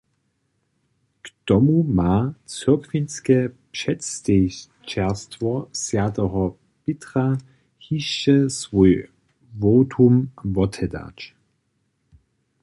K tomu ma cyrkwinske předstejićerstwo swj. Pětra hišće swój wotum wotedać.